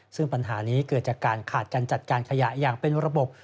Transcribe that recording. ซึ่งปัญหานี้เกิดจากการขาดการจัดการขยะอย่างเป็นระบบ